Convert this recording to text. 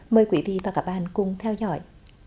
mời quý vị và các bạn cùng theo dõi